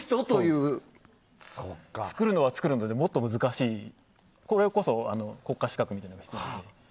作るのは作るのでもっと難しい、それこそ国家資格みたいなのが必要です。